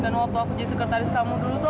dan waktu aku jadi sekretaris kamu dulu tuh